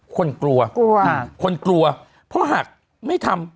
กลัวกลัวคนกลัวเพราะหากไม่ทำ